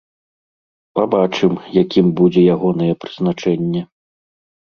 Пабачым, якім будзе ягонае прызначэнне.